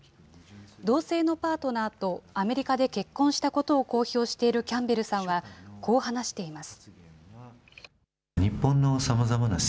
同性のパートナーとアメリカで結婚したことを公表しているキャンベルさんは、こう話しています。